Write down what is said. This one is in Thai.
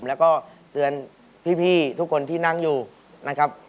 แล้วก็เตือนพี่ทุกคนที่นั่งอยู่นะครับ